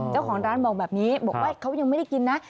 เจ้าของร้านบอกแบบนี้บอกว่าเขายังไม่ได้กินนะ